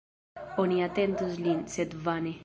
Oni atendos lin, sed vane.